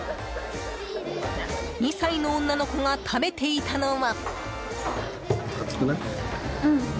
２歳の女の子が食べていたのは。